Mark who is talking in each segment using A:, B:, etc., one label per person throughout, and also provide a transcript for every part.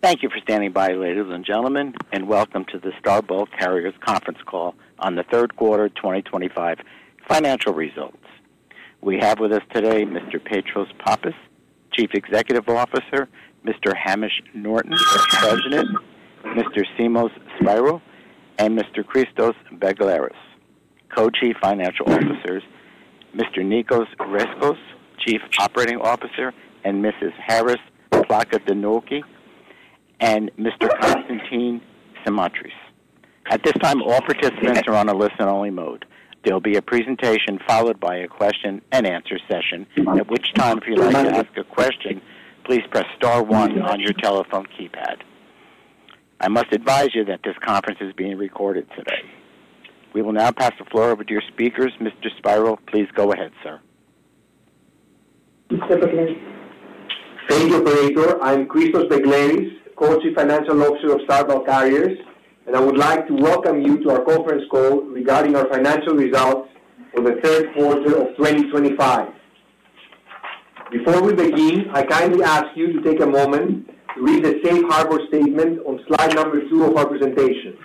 A: Thank you for standing by, ladies and gentlemen, and welcome to the Star Bulk Carriers Conference Call on the third quarter 2025 financial results. We have with us today Mr. Petros Pappas, Chief Executive Officer; Mr. Hamish Norton, Vice President; Mr. Simos Spyrou; and Mr. Christos Begleris, Co-Chief Financial Officers; Mr. Nicos Rescos, Chief Operating Officer; and Mrs. Charis Plakantonaki; and Mr. Constantinos Simantiras. At this time, all participants are on a listen-only mode. There will be a presentation followed by a question-and-answer session. At which time, if you'd like to ask a question, please press star one on your telephone keypad. I must advise you that this conference is being recorded today. We will now pass the floor over to your speakers. Mr. Spyrou, please go ahead, sir.
B: Mr. Begleris.
C: Thank you, Operator. I'm Christos Begleris, Co-Chief Financial Officer of Star Bulk Carriers, and I would like to welcome you to our conference call regarding our financial results for the third quarter of 2025. Before we begin, I kindly ask you to take a moment to read the Safe Harbor Statement on slide number two of our presentation.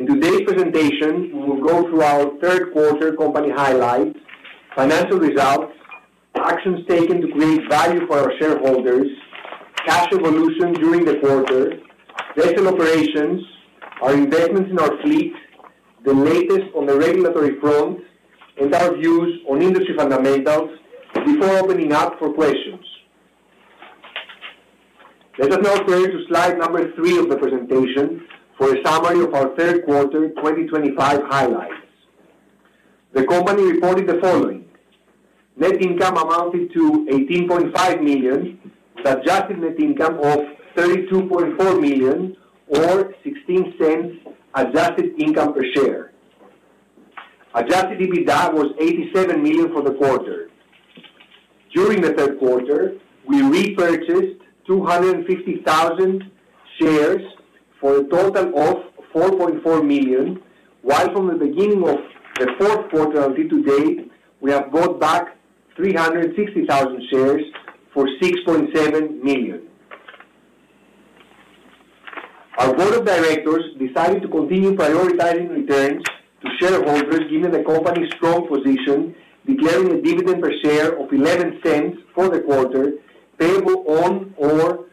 C: In today's presentation, we will go through our third quarter company highlights, financial results, actions taken to create value for our shareholders, cash evolution during the quarter, vessel operations, our investments in our fleet, the latest on the regulatory front, and our views on industry fundamentals before opening up for questions. Let us now turn to slide number three of the presentation for a summary of our third quarter 2025 highlights. The company reported the following: net income amounted to $18.5 million, with adjusted net income of $32.4 million, or $0.16 adjusted income per share. Adjusted EBITDA was $87 million for the quarter. During the third quarter, we repurchased 250,000 shares for a total of $4.4 million, while from the beginning of the fourth quarter until today, we have bought back 360,000 shares for $6.7 million. Our board of directors decided to continue prioritizing returns to shareholders given the company's strong position, declaring a dividend per share of $0.11 for the quarter, payable on or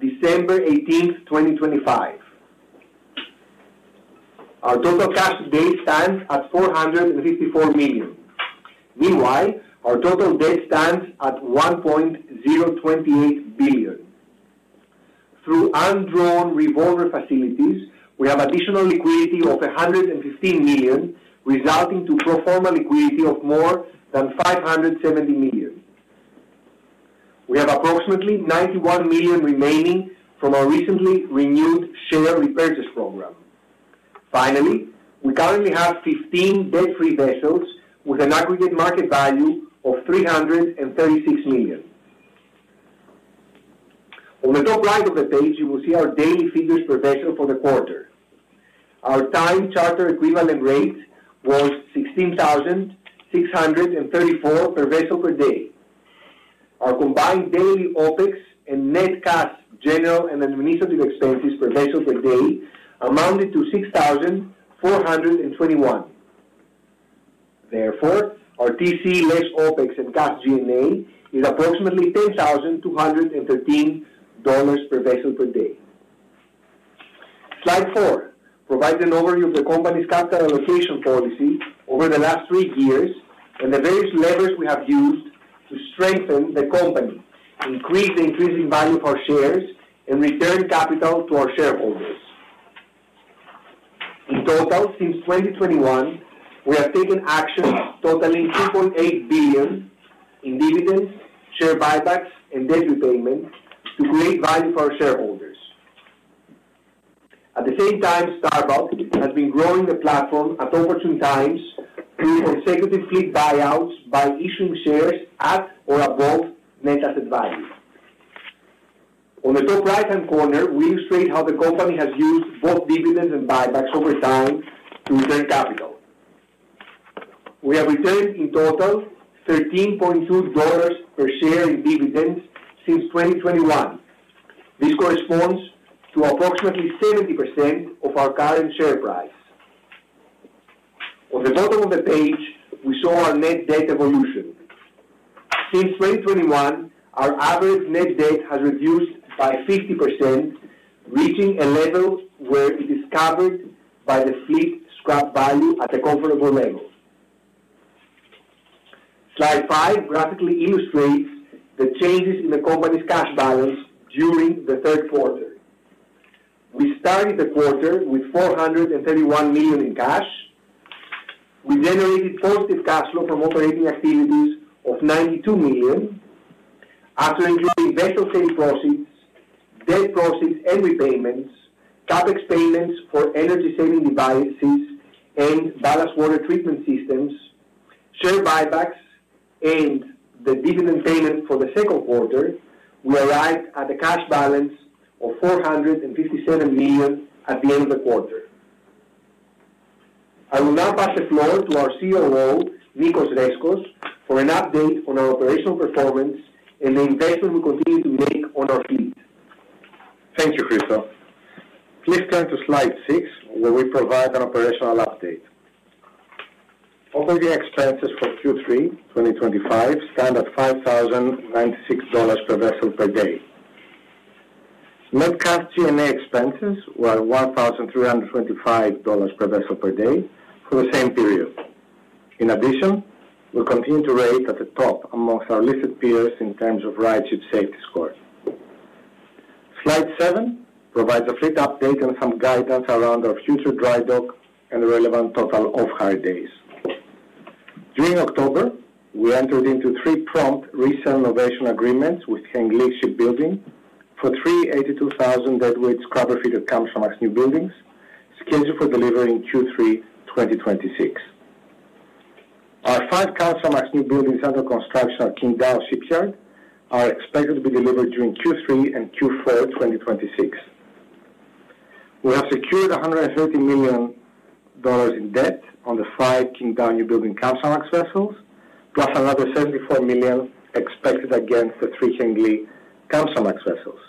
C: December 18, 2025. Our total cash to date stands at $454 million. Meanwhile, our total debt stands at $1.028 billion. Through undrawn revolver facilities, we have additional liquidity of $115 million, resulting in pro forma liquidity of more than $570 million. We have approximately $91 million remaining from our recently renewed share repurchase program. Finally, we currently have 15 debt-free vessels with an aggregate market value of $336 million. On the top right of the page, you will see our daily figures per vessel for the quarter. Our time-charter equivalent rate was $16,634 per vessel per day. Our combined daily OpEx and net CAS general and administrative expenses per vessel per day amounted to $6,421. Therefore, our TCE less OpEx and CAS G&A is approximately $10,213 per vessel per day. Slide four provides an overview of the company's capital allocation policy over the last three years and the various levers we have used to strengthen the company, increase the increasing value of our shares, and return capital to our shareholders. In total, since 2021, we have taken action totaling $2.8 billion in dividends, share buybacks, and debt repayment to create value for our shareholders. At the same time, Star Bulk has been growing the platform at opportune times through consecutive fleet buyouts by issuing shares at or above net asset value. On the top right-hand corner, we illustrate how the company has used both dividends and buybacks over time to return capital. We have returned in total $13.2 per share in dividends since 2021. This corresponds to approximately 70% of our current share price. On the bottom of the page, we show our net debt evolution. Since 2021, our average net debt has reduced by 50%, reaching a level where it is covered by the fleet scrap value at a comfortable level. Slide five graphically illustrates the changes in the company's cash balance during the third quarter. We started the quarter with $431 million in cash. We generated positive cash flow from operating activities of $92 million after including vessel sale proceeds, debt proceeds and repayments, CapEx payments for energy-saving devices and ballast water treatment systems, share buybacks, and the dividend payment for the second quarter. We arrived at a cash balance of $457 million at the end of the quarter. I will now pass the floor to our COO, Nicos Rescos, for an update on our operational performance and the investment we continue to make on our fleet.
D: Thank you, Christos. Please turn to slide six where we provide an operational update. Operating expenses for Q3 2025 stand at $5,096 per vessel per day. Net cash G&A expenses were $1,325 per vessel per day for the same period. In addition, we continue to rate at the top amongst our listed peers in terms of RightShip safety score. Slide seven provides a fleet update and some guidance around our future drydock and relevant total off-hire days. During October, we entered into three prompt resale innovation agreements with Heng Ling Shipbuilding for three 82,000 deadweight scrubber-fitted Kamsarmax newbuildings scheduled for delivery in Q3 2026. Our five Kamsarmax newbuildings under construction at Qingdao Shipyard are expected to be delivered during Q3 and Q4 2026. We have secured $130 million in debt on the five Qingdao newbuilding Kamsarmax vessels, plus another $74 million expected against the three Heng Ling Kamsarmax vessels.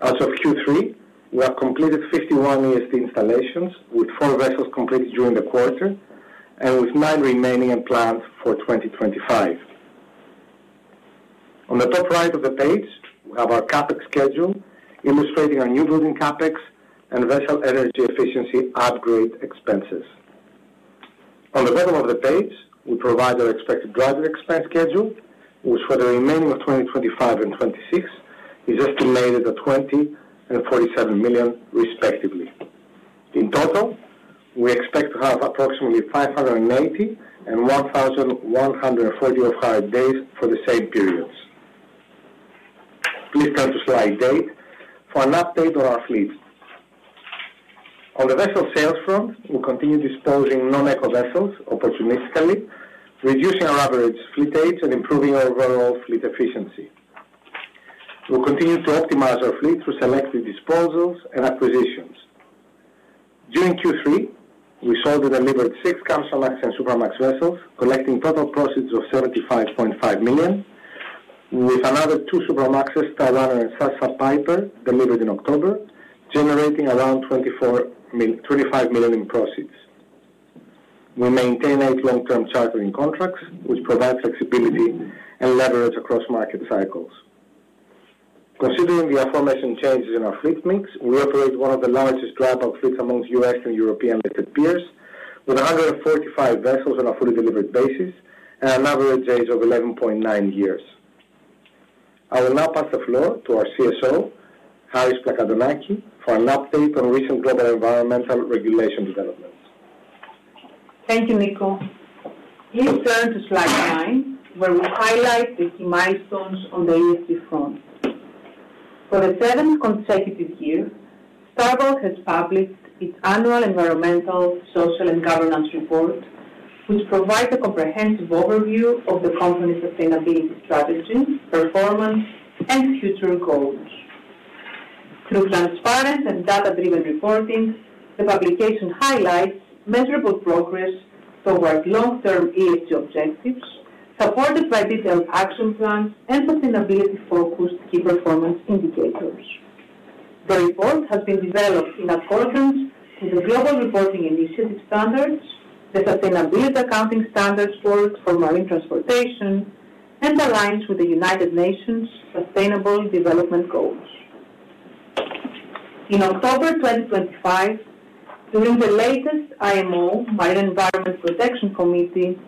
D: As of Q3, we have completed 51 ESD installations with four vessels completed during the quarter and with nine remaining and planned for 2025. On the top right of the page, we have our CapEx schedule illustrating our newbuilding CapEx and vessel energy efficiency upgrade expenses. On the bottom of the page, we provide our expected drydock expense schedule, which for the remaining of 2025 and 2026 is estimated at $20 million and $47 million, respectively. In total, we expect to have approximately 580 and 1,140 off-hire days for the same periods. Please turn to slide eight for an update on our fleet. On the vessel sales front, we continue disposing non-eco vessels opportunistically, reducing our average fleet age and improving our overall fleet efficiency. We continue to optimize our fleet through selective disposals and acquisitions. During Q3, we sold and delivered six Kamsarmax and Supramax vessels, collecting total proceeds of $75.5 million, with another two Supramaxes, Star Runner and SASA Piper, delivered in October, generating around $25 million in proceeds. We maintain eight long-term chartering contracts, which provide flexibility and leverage across market cycles. Considering the aforementioned changes in our fleet mix, we operate one of the largest dry bulk fleets amongst U.S. and European listed peers, with 145 vessels on a fully delivered basis and an average age of 11.9 years. I will now pass the floor to our CSO, Charis Plakantonaki, for an update on recent global environmental regulation developments.
E: Thank you, Nicos. Please turn to slide nine, where we highlight the key milestones on the ESG front. For the seventh consecutive year, Star Bulk has published its annual environmental, social, and governance report, which provides a comprehensive overview of the company's sustainability strategy, performance, and future goals. Through transparent and data-driven reporting, the publication highlights measurable progress towards long-term ESG objectives, supported by detailed action plans and sustainability-focused key performance indicators. The report has been developed in accordance with the Global Reporting Initiative standards, the Sustainability Accounting Standards Board for Marine Transportation, and aligns with the United Nations' Sustainable Development Goals. In October 2025, during the latest IMO Marine Environment Protection Committee,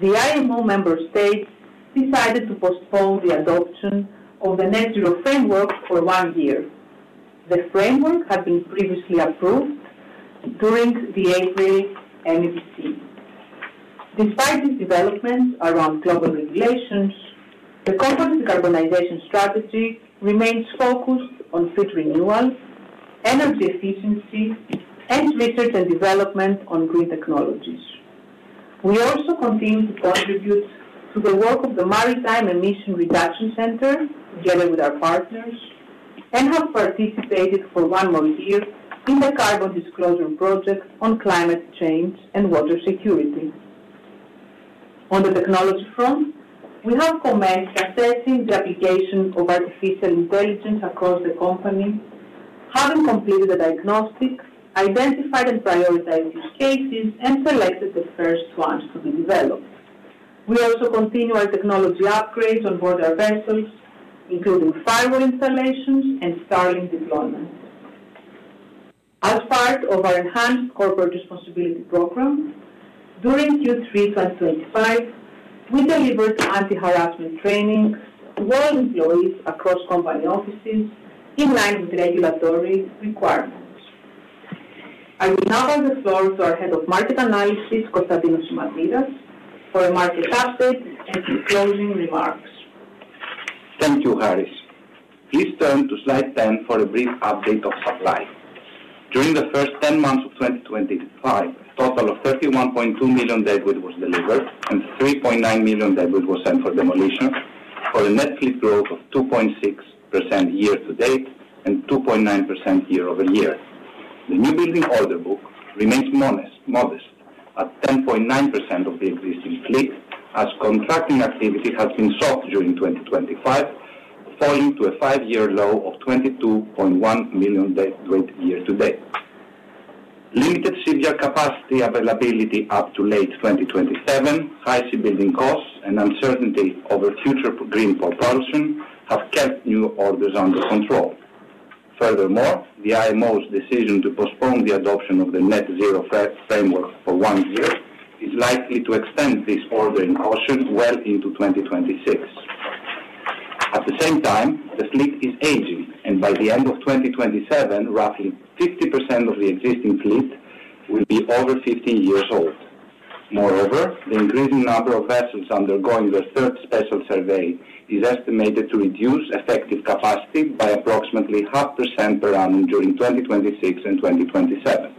E: the IMO member states decided to postpone the adoption of the Net Zero Framework for one year. The framework had been previously approved during the April MEPC. Despite these developments around global regulations, the company's decarbonization strategy remains focused on fleet renewal, energy efficiency, and research and development on green technologies. We also continue to contribute to the work of the Maritime Emission Reduction Center together with our partners and have participated for one more year in the Carbon Disclosure Project on climate change and water security. On the technology front, we have commenced assessing the application of artificial intelligence across the company, having completed a diagnostic, identified and prioritized use cases, and selected the first ones to be developed. We also continue our technology upgrades on board our vessels, including firewall installations and Starlink deployment. As part of our enhanced corporate responsibility program, during Q3 2025, we delivered anti-harassment trainings to all employees across company offices in line with regulatory requirements. I will now pass the floor to our Head of Market Analysis, Constantinos Simantiras, for a market update and closing remarks.
F: Thank you, Charis. Please turn to slide ten for a brief update of supply. During the first ten months of 2025, a total of 31.2 million deadweight was delivered and 3.9 million deadweight was sent for demolition for a net fleet growth of 2.6% year to date and 2.9% year-over-year. The newbuilding order book remains modest at 10.9% of the existing fleet as contracting activity has been soft during 2025, falling to a five-year low of 22.1 million deadweight year to date. Limited shipyard capacity availability up to late 2027, high shipbuilding costs, and uncertainty over future green port operation have kept new orders under control. Furthermore, the IMO's decision to postpone the adoption of the Net Zero Framework for one year is likely to extend this ordering option well into 2026. At the same time, the fleet is aging, and by the end of 2027, roughly 50% of the existing fleet will be over 15 years old. Moreover, the increasing number of vessels undergoing the third special survey is estimated to reduce effective capacity by approximately 0.5% per annum during 2026 and 2027.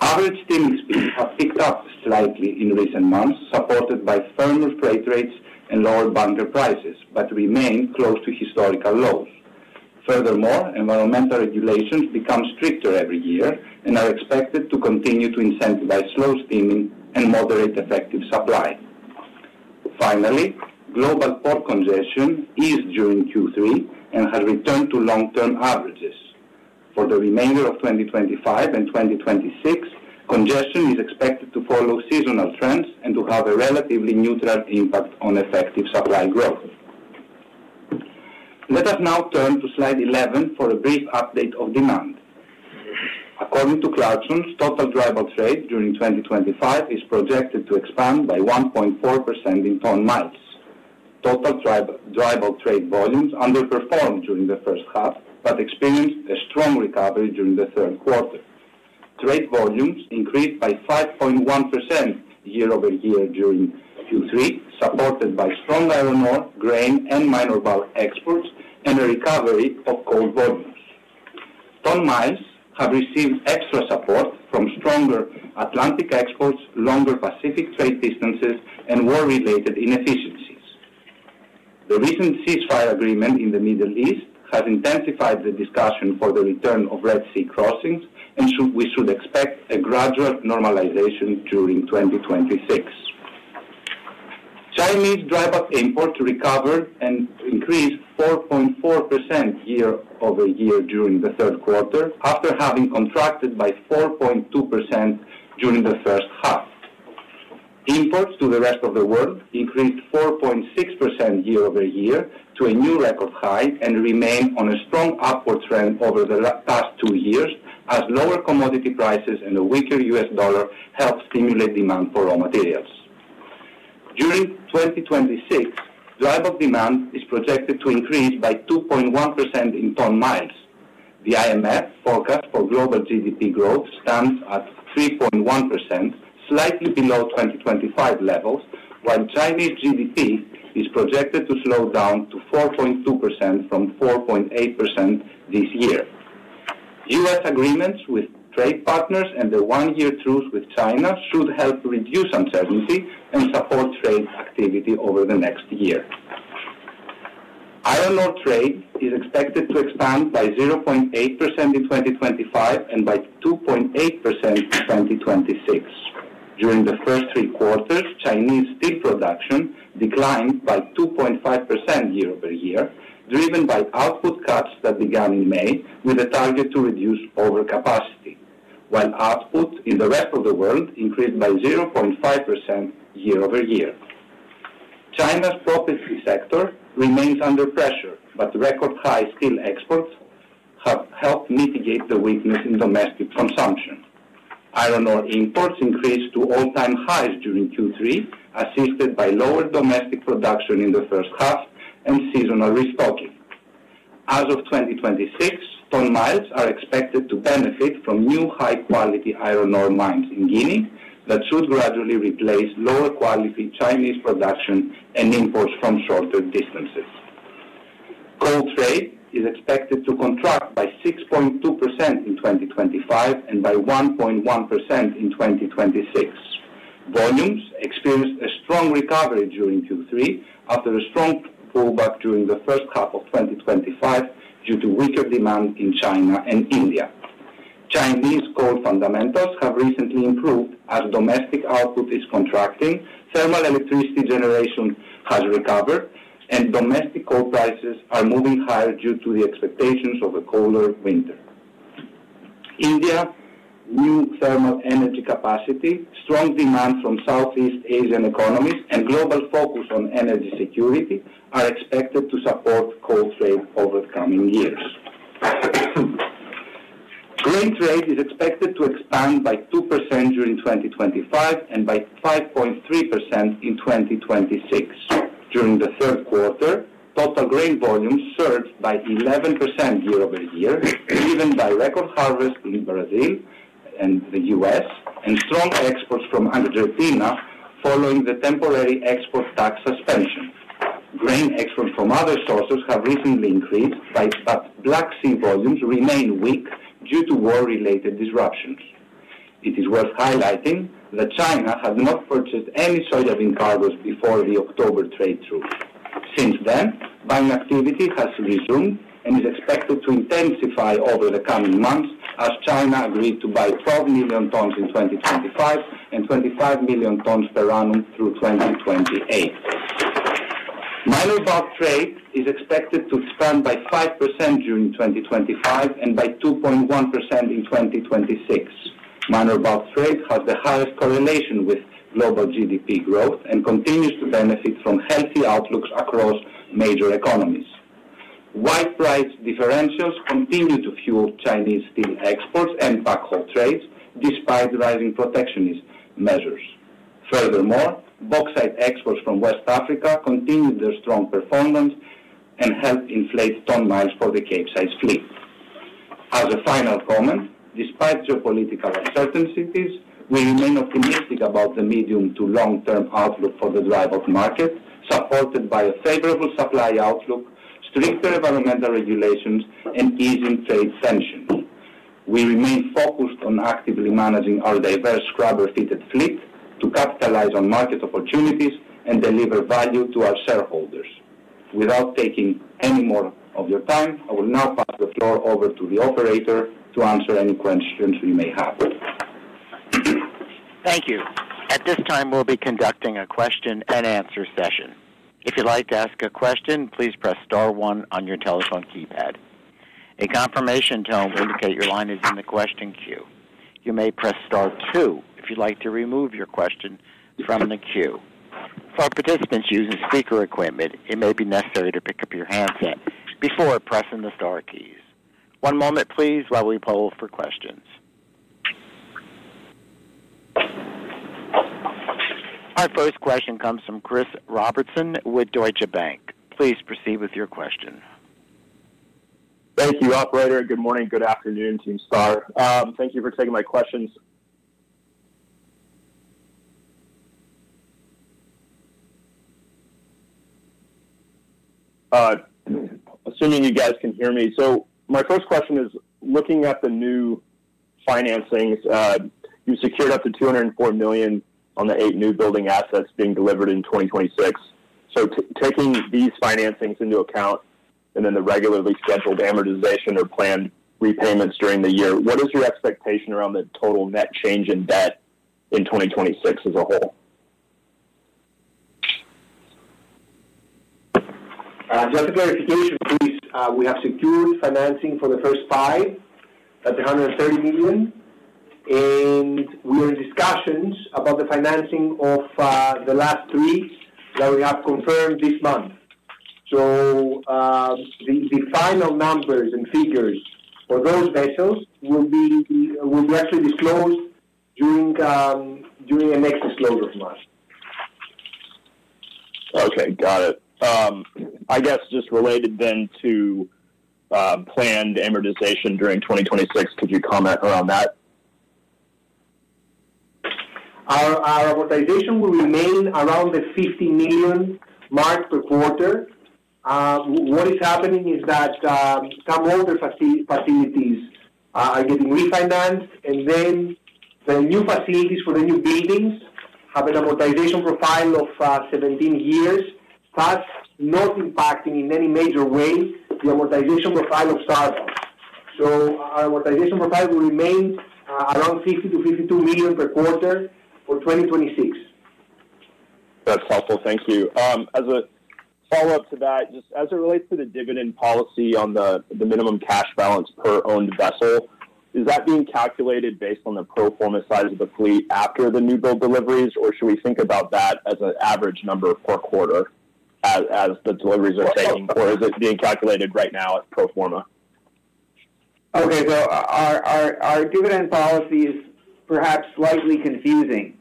F: Average steaming speeds have picked up slightly in recent months, supported by firmer freight rates and lower bunker prices, but remain close to historical lows. Furthermore, environmental regulations become stricter every year and are expected to continue to incentivize slow steaming and moderate effective supply. Finally, global port congestion eased during Q3 and has returned to long-term averages. For the remainder of 2025 and 2026, congestion is expected to follow seasonal trends and to have a relatively neutral impact on effective supply growth. Let us now turn to slide eleven for a brief update of demand. According to Clarksons, total dry bulk trade during 2025 is projected to expand by 1.4% in ton miles. Total dry bulk trade volumes underperformed during the first half but experienced a strong recovery during the third quarter. Trade volumes increased by 5.1% year-over-year during Q3, supported by strong iron ore, grain, and minor bulk exports and a recovery of coal volumes. Ton miles have received extra support from stronger Atlantic exports, longer Pacific trade distances, and war-related inefficiencies. The recent ceasefire agreement in the Middle East has intensified the discussion for the return of Red Sea crossings, and we should expect a gradual normalization during 2026. Chinese dry bulk imports recovered and increased 4.4% year-over-year during the third quarter after having contracted by 4.2% during the first half. Imports to the rest of the world increased 4.6% year-over-year to a new record high and remain on a strong upward trend over the past two years as lower commodity prices and a weaker U.S. dollar help stimulate demand for raw materials. During 2026, dry bulk demand is projected to increase by 2.1% in ton miles. The IMF forecast for global GDP growth stands at 3.1%, slightly below 2025 levels, while Chinese GDP is projected to slow down to 4.2% from 4.8% this year. U.S. agreements with trade partners and the one-year truce with China should help reduce uncertainty and support trade activity over the next year. Iron ore trade is expected to expand by 0.8% in 2025 and by 2.8% in 2026. During the first three quarters, Chinese steel production declined by 2.5% year-over-year, driven by output cuts that began in May with a target to reduce overcapacity, while output in the rest of the world increased by 0.5% year-over-year. China's property sector remains under pressure, but record-high steel exports have helped mitigate the weakness in domestic consumption. Iron ore imports increased to all-time highs during Q3, assisted by lower domestic production in the first half and seasonal restocking. As of 2026, ton miles are expected to benefit from new high-quality iron ore mines in Guinea that should gradually replace lower-quality Chinese production and imports from shorter distances. Coal trade is expected to contract by 6.2% in 2025 and by 1.1% in 2026. Volumes experienced a strong recovery during Q3 after a strong pullback during the first half of 2025 due to weaker demand in China and India. Chinese coal fundamentals have recently improved as domestic output is contracting, thermal electricity generation has recovered, and domestic coal prices are moving higher due to the expectations of a colder winter. India, new thermal energy capacity, strong demand from Southeast Asian economies, and global focus on energy security are expected to support coal trade over the coming years. Grain trade is expected to expand by 2% during 2025 and by 5.3% in 2026. During the third quarter, total grain volumes surged by 11% year-over-year, driven by record harvests in Brazil and the U.S. and strong exports from Argentina following the temporary export tax suspension. Grain exports from other sources have recently increased, but Black Sea volumes remain weak due to war-related disruptions. It is worth highlighting that China has not purchased any soybean cargoes before the October trade truce. Since then, buying activity has resumed and is expected to intensify over the coming months as China agreed to buy 12 million tons in 2025 and 25 million tons per annum through 2028. Minor bulk trade is expected to expand by 5% during 2025 and by 2.1% in 2026. Minor bulk trade has the highest correlation with global GDP growth and continues to benefit from healthy outlooks across major economies. White price differentials continue to fuel Chinese steel exports and backhaul trades despite rising protectionist measures. Furthermore, bauxite exports from West Africa continued their strong performance and helped inflate ton miles for the Capesize fleet. As a final comment, despite geopolitical uncertainties, we remain optimistic about the medium to long-term outlook for the dry bulk market, supported by a favorable supply outlook, stricter environmental regulations, and easing trade tensions. We remain focused on actively managing our diverse scrubber-fitted fleet to capitalize on market opportunities and deliver value to our shareholders. Without taking any more of your time, I will now pass the floor over to the operator to answer any questions we may have.
A: Thank you. At this time, we'll be conducting a question-and-answer session. If you'd like to ask a question, please press star one on your telephone keypad. A confirmation tone will indicate your line is in the question queue. You may press star two if you'd like to remove your question from the queue. For participants using speaker equipment, it may be necessary to pick up your handset before pressing the Star keys. One moment, please, while we poll for questions. Our first question comes from Chris Robertson with Deutsche Bank. Please proceed with your question.
G: Thank you, Operator. Good morning. Good afternoon, Team Star. Thank you for taking my questions. Assuming you guys can hear me. My first question is, looking at the new financings, you secured up to $204 million on the eight newbuilding assets being delivered in 2026. Taking these financings into account and then the regularly scheduled amortization or planned repayments during the year, what is your expectation around the total net change in debt in 2026 as a whole?
H: Just a clarification, please. We have secured financing for the first five at $130 million, and we are in discussions about the financing of the last three that we have confirmed this month. The final numbers and figures for those vessels will be actually disclosed during the next disclosure month.
G: Okay. Got it. I guess just related then to planned amortization during 2026, could you comment around that?
H: Our amortization will remain around the $50 million mark per quarter. What is happening is that some older facilities are getting refinanced, and then the new facilities for the new buildings have an amortization profile of 17 years, thus not impacting in any major way the amortization profile of star one. Our amortization profile will remain around $50 million-$52 million per quarter for 2026.
G: That's helpful. Thank you. As a follow-up to that, just as it relates to the dividend policy on the minimum cash balance per owned vessel, is that being calculated based on the pro forma size of the fleet after the new build deliveries, or should we think about that as an average number per quarter as the deliveries are taking, or is it being calculated right now at pro forma?
H: Okay. Our dividend policy is perhaps slightly confusing,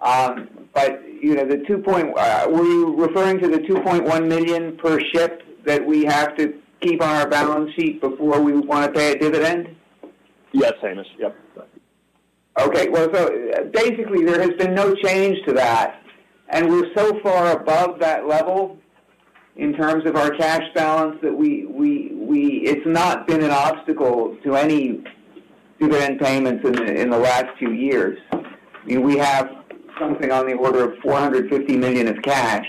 H: but the 2.1, were you referring to the $2.1 million per ship that we have to keep on our balance sheet before we want to pay a dividend?
G: Yes, Hamish. Yep.
H: Okay. Basically, there has been no change to that, and we're so far above that level in terms of our cash balance that it's not been an obstacle to any dividend payments in the last few years. I mean, we have something on the order of $450 million of cash,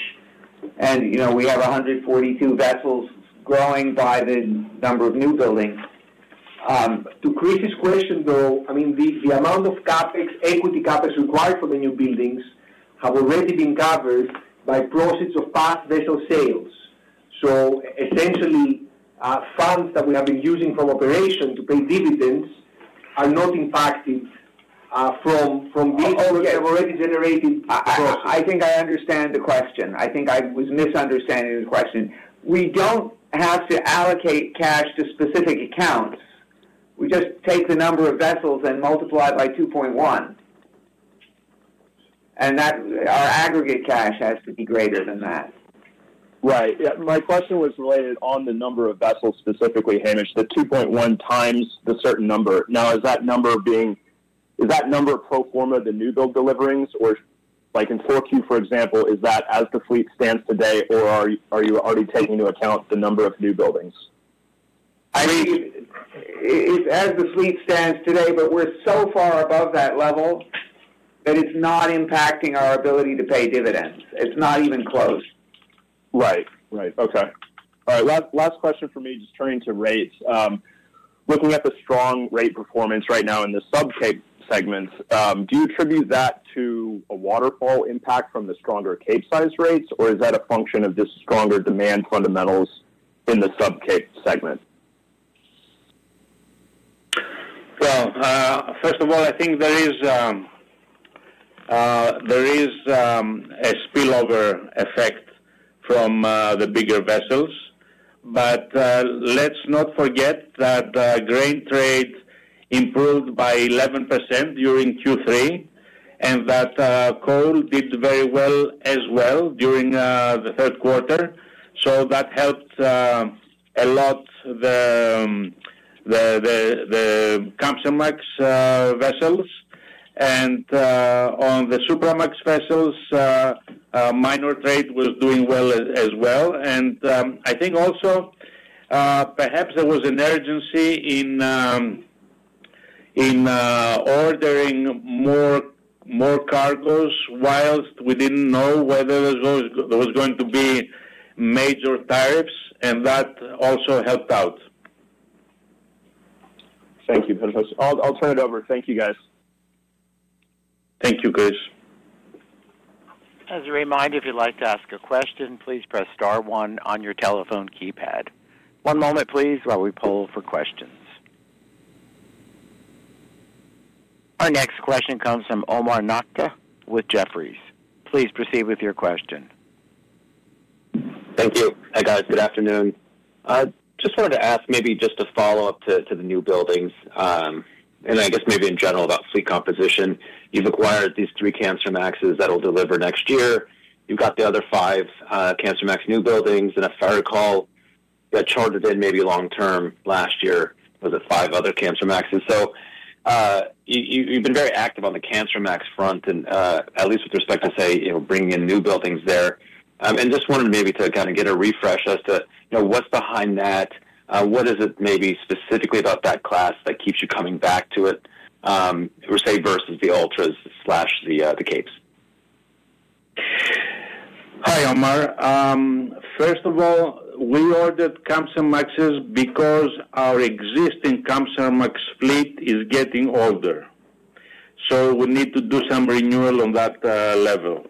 H: and we have 142 vessels growing by the number of newbuildings. To Chris's question, though, I mean, the amount of equity CapEx required for the newbuildings has already been covered by profits of past vessel sales. So essentially, funds that we have been using from operation to pay dividends are not impacted from these already generated gross. I think I understand the question. I think I was misunderstanding the question. We don't have to allocate cash to specific accounts. We just take the number of vessels and multiply it by 2.1, and our aggregate cash has to be greater than that.
G: Right. My question was related on the number of vessels specifically, Hamish, the 2.1x the certain number. Now, is that number being, is that number pro forma the new build deliverings, or in 4Q, for example, is that as the fleet stands today, or are you already taking into account the number of new buildings?
H: I mean, it's as the fleet stands today, but we're so far above that level that it's not impacting our ability to pay dividends. It's not even close.
G: Right. Right. Okay. All right. Last question for me, just turning to rates. Looking at the strong rate performance right now in the sub-cape segments, do you attribute that to a waterfall impact from the stronger cape-sized rates, or is that a function of just stronger demand fundamentals in the sub-cape segment?
I: First of all, I think there is a spillover effect from the bigger vessels, but let's not forget that grain trade improved by 11% during Q3 and that coal did very well as well during the third quarter. That helped a lot the Kamsarmax vessels. On the Supramax vessels, minor trade was doing well as well. I think also perhaps there was an urgency in ordering more cargoes whilst we did not know whether there was going to be major tariffs, and that also helped out.
G: Thank you. I'll turn it over. Thank you, guys.
I: Thank you, Chris.
A: As a reminder, if you'd like to ask a question, please press star one on your telephone keypad. One moment, please, while we poll for questions. Our next question comes from Omar Nokta with Jefferies. Please proceed with your question.
J: Thank you. Hi, guys. Good afternoon. Just wanted to ask maybe just a follow-up to the newbuildings, and I guess maybe in general about fleet composition. You've acquired these three Kamsarmaxs that will deliver next year. You've got the other five Kamsarmax newbuildings, and if I recall, that chartered in maybe long-term last year was at five other Kamsarmaxs. You have been very active on the Kamsarmax front, at least with respect to, say, bringing in newbuildings there. Just wanted maybe to kind of get a refresh as to what's behind that. What is it maybe specifically about that class that keeps you coming back to it, say, versus the Ultras/the other Capes?
I: Hi, Omar. First of all, we ordered Kamsarmaxs because our existing Kamsarmax fleet is getting older. We need to do some renewal on that level.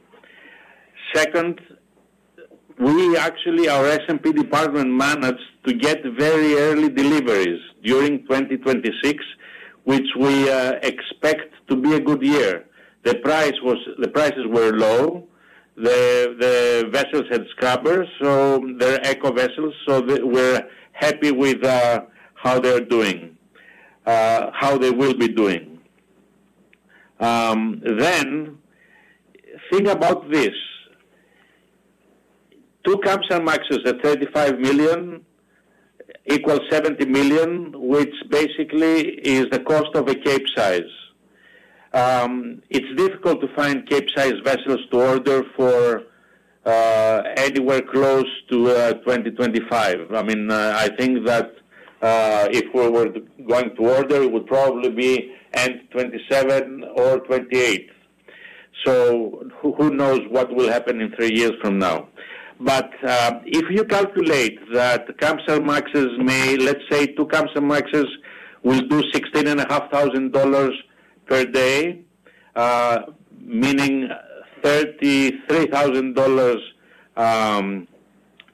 I: Second, our S&P Department managed to get very early deliveries during 2026, which we expect to be a good year. The prices were low. The vessels had scrubbers, so they're eco vessels, so we're happy with how they're doing, how they will be doing. Think about this. Two Kamsarmaxs at $35 million equals $70 million, which basically is the cost of a Capesize. It's difficult to find Capesize vessels to order for anywhere close to 2025. I mean, I think that if we were going to order, it would probably be end 2027 or 2028. Who knows what will happen in three years from now. If you calculate that Caps & Maxes may, let's say, two Caps & Maxes will do $16,500 per day, meaning $33,000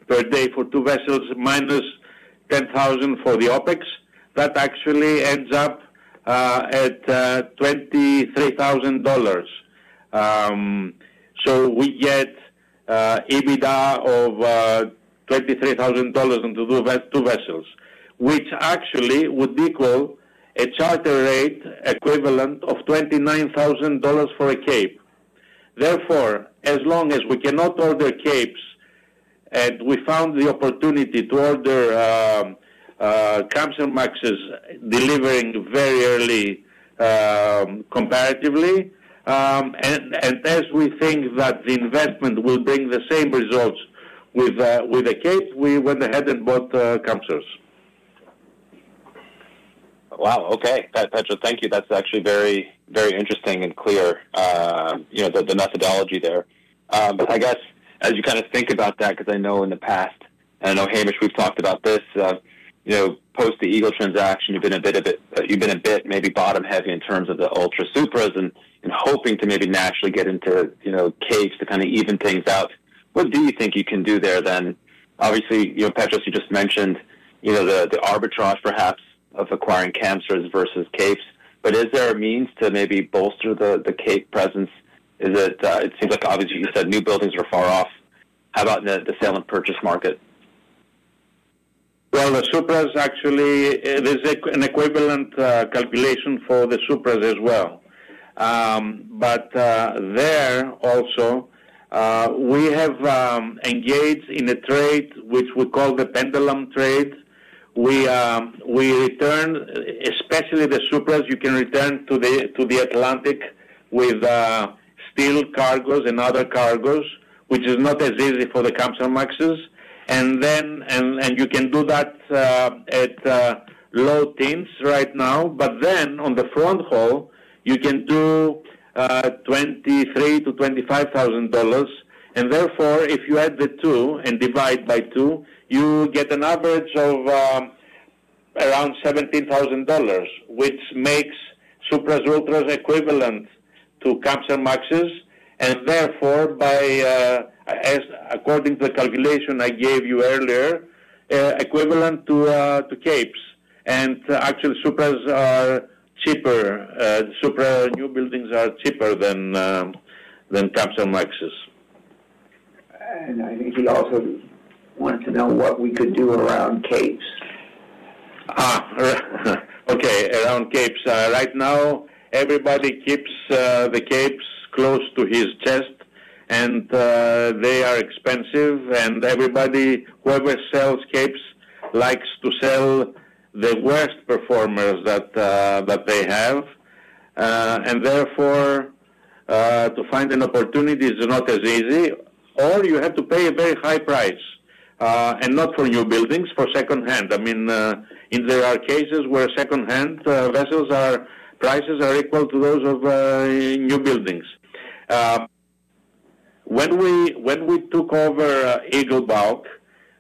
I: per day for two vessels minus $10,000 for the OpEx, that actually ends up at $23,000. We get EBITDA of $23,000 on two vessels, which actually would equal a charter rate equivalent of $29,000 for a cape. Therefore, as long as we cannot order capes and we found the opportunity to order Caps & Maxes delivering very early comparatively, and as we think that the investment will bring the same results with a cape, we went ahead and bought Caps & Maxes.
J: Wow. Okay. Petros, thank you. That's actually very, very interesting and clear, the methodology there. I guess as you kind of think about that, because I know in the past, and I know, Hamish, we've talked about this, post the Eagle transaction, you've been a bit maybe bottom-heavy in terms of the Ultras, Supras, and hoping to maybe naturally get into capes to kind of even things out. What do you think you can do there then? Obviously, Petros, you just mentioned the arbitrage perhaps of acquiring Kamsars versus capes, but is there a means to maybe bolster the cape presence? It seems like, obviously, you said new buildings were far off. How about in the sale and purchase market?
I: The Supras actually, there is an equivalent calculation for the Supras as well. There also, we have engaged in a trade which we call the pendulum trade. We return, especially the Supras, you can return to the Atlantic with steel cargoes and other cargoes, which is not as easy for the Caps & Maxes. You can do that at low teens right now, but then on the front haul, you can do $23,000-$25,000. Therefore, if you add the two and divide by two, you get an average of around $17,000, which makes Supras, Ultras equivalent to Caps & Maxes, and therefore, according to the calculation I gave you earlier, equivalent to capes. Actually, Supras are cheaper. Supra newbuildings are cheaper than Caps & Maxes.
H: I think he also wanted to know what we could do around Capes.
I: Okay. Around capes. Right now, everybody keeps the capes close to his chest, and they are expensive. Everybody, whoever sells capes, likes to sell the worst performers that they have. Therefore, to find an opportunity is not as easy, or you have to pay a very high price, and not for newbuildings, for secondhand. I mean, there are cases where secondhand vessels are prices are equal to those of newbuildings. When we took over Eagle Bulk,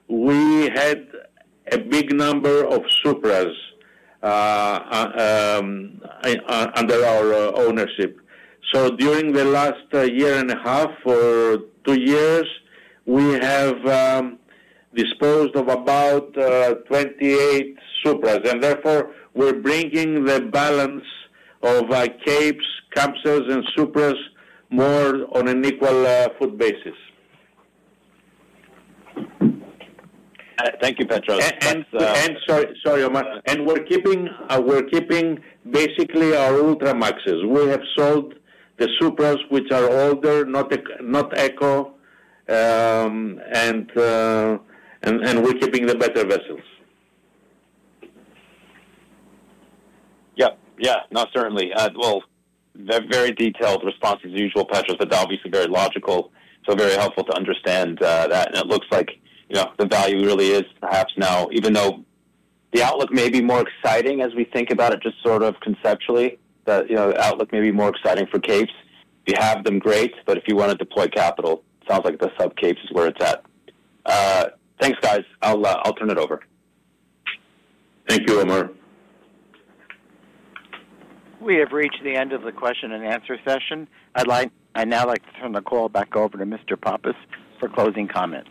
I: we had a big number of Supras under our ownership. During the last year and a half or two years, we have disposed of about 28 Supras, and therefore, we are bringing the balance of capes, Capes and Supras more on an equal foot basis.
J: Thank you, Petros.
H: Sorry, Omar. We're keeping basically our Ultramaxes. We have sold the Supras, which are older, not eco, and we're keeping the better vessels.
J: Yep. Yeah. No, certainly. Very detailed response, as usual, Petros, but obviously very logical. Very helpful to understand that. It looks like the value really is perhaps now, even though the outlook may be more exciting as we think about it just sort of conceptually, that the outlook may be more exciting for capes. You have them great, but if you want to deploy capital, it sounds like the sub-capes is where it's at. Thanks, guys. I'll turn it over.
I: Thank you, Omar.
A: We have reached the end of the question and answer session. I'd now like to turn the call back over to Mr. Pappas for closing comments.